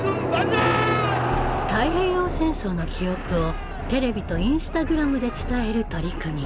太平洋戦争の記憶をテレビとインスタグラムで伝える取り組み。